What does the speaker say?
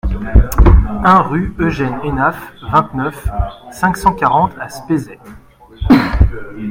un rue Eugène Hénaff, vingt-neuf, cinq cent quarante à Spézet